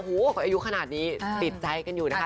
โอ้โหอายุขนาดนี้ติดใจกันอยู่นะคะ